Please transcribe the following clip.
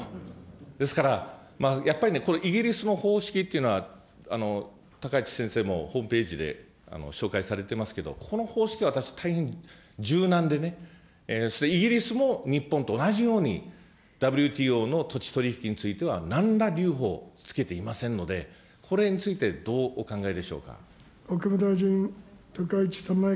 ですから、やっぱりね、イギリスの方式というのは高市先生もホームページで紹介されてますけど、この方式は私、大変柔軟でね、そしてイギリスも日本と同じように、ＷＴＯの土地取り引きについてはなんら留保をつけていませんので、これについてどうお考えでしょうか。